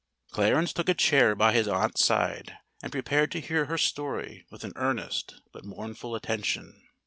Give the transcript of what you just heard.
Clarence took a chair by his aunt's side, and prepared to hear her story with an earnest but mournful attention.